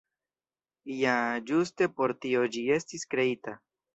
Ja ĝuste por tio ĝi estis kreita.